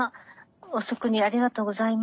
遅くにありがとうございます。